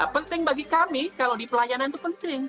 penting bagi kami kalau di pelayanan itu penting